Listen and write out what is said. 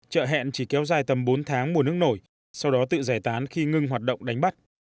chợ hẹn chỉ kéo dài tầm bốn tháng mùa nước nổi sau đó tự giải tán khi ngưng hoạt động đánh bắt